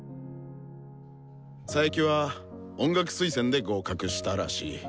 佐伯は音楽推薦で合格したらしい。